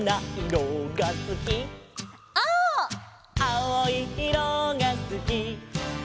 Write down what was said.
「あおいいろがすき」